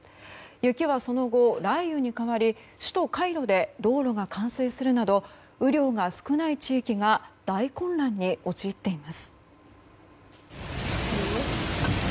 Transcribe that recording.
雪はその後、雷雨に変わり首都カイロで道路が冠水するなど雨量が少ない地域が大混乱に陥っています。